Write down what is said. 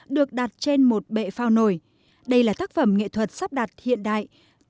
được đặt trên một bệ phao nổi đây là tác phẩm nghệ thuật sắp đặt hiện đại